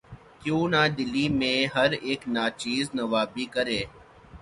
کیوں نہ دلی میں ہر اک ناچیز نوّابی کرے